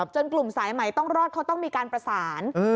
กลุ่มสายใหม่ต้องรอดเขาต้องมีการประสาน